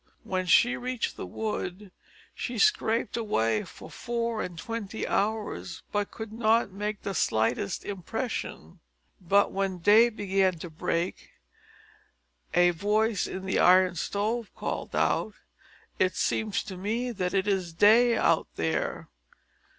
When she reached the wood, she scraped away for four and twenty hours, but could not make the slightest impression. But when day began to break, a voice in the Iron Stove called out, "It seems to me that it is day out there."